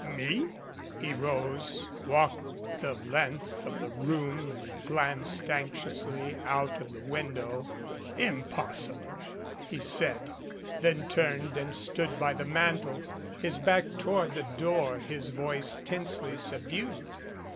"Me?" He rose, walked the length of the room and glanced anxiously out of the window. "Impossible!" he said, then turned and stood by the mantel, his back toward the door, his voice tensely subdued.